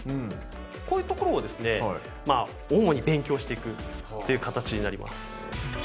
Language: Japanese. こういうところをですね主に勉強していくっていう形になります。